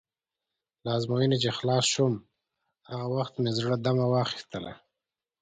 له ازموینې چې خلاص شوم، هغه وخت مې زړه دمه واخیستله.